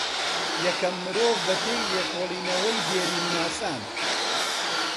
یەکەم مرۆڤ بە پێێ لێکۆڵێنەوەی دێرین ناسان